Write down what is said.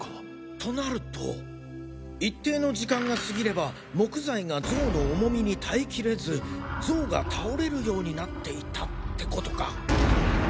となると一定の時間が過ぎれば木材が像の重みに耐えきれず像が倒れるようになっていたってことか。